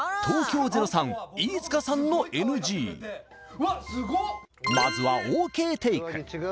東京０３飯塚さんのＮＧまずはＯＫテイク